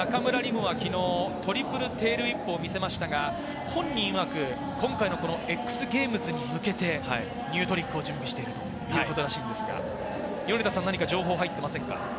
夢は昨日、トリプルテールウィップを見せましたが、本人いわく、今回のＸＧａｍｅｓに向けてニュートリックを準備しているということらしいですが、米田さん、情報入ってませんか？